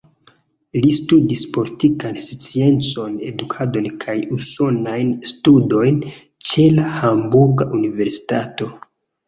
Li studis politikan sciencon, edukadon kaj usonajn studojn ĉe la Hamburga universitato.